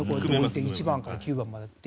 １番から９番までっていう。